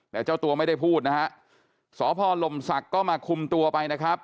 แต่เจ้าตัวไม่ได้พูดนะฮะสพลมศักดิ์ก็มาคุมตัวไปนะครับ